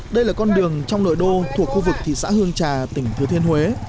đây là con đường trong nội đô thuộc khu vực thị xã hương trà tỉnh thừa thiên huế